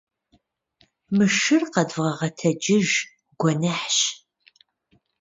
Мы шыр къэдвгъэгъэтэджыж, гуэныхьщ.